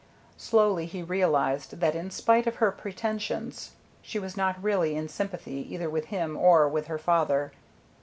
Slowly he realized that in spite of her pretensions she was not really in sympathy either with him or with her father.